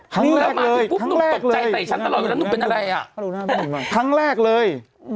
ครั้งแรกเลยครั้งแรกเลย